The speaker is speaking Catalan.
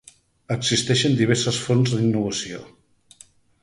Existeixen diverses fonts d'innovació.